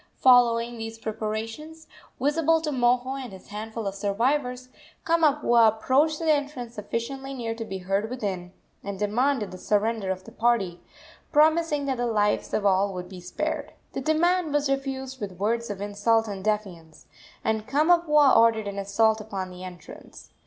Following these preparations, visible to Moho and his handful of warriors, Kamapuaa approached the entrance sufficiently near to be heard within, and demanded the surrender of the party, promising that the lives of all would be spared. The demand was refused with words of insult and defiance, and Kamapuaa ordered an assault upon the entrance.